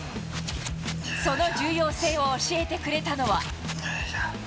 その重要性を教えてくれたのは。